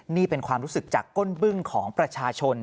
นี่เป็นความรู้สึกจากก้นบึ้งของประชาชน